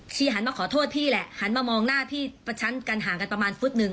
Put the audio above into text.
หันมาขอโทษพี่แหละหันมามองหน้าพี่ประชันกันห่างกันประมาณฟุตหนึ่ง